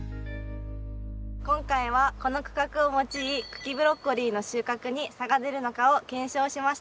今回はこの区画を用い茎ブロッコリーの収穫に差が出るのかを検証しました。